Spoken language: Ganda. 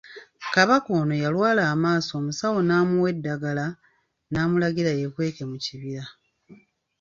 Kabaka ono yalwala amaaso omusawo n'amuwa eddagala, n'amulagira yeekweke mu kibira.